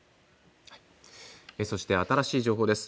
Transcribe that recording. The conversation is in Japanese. そして、新しい情報です。